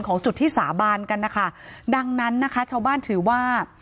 จุดที่สาบานกันนะคะดังนั้นนะคะชาวบ้านถือว่า